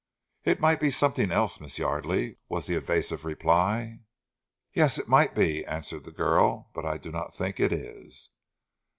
"It might be something else, Miss Yardely," was the evasive reply. "Yes, it might be," answered the girl, "but I do not think it is."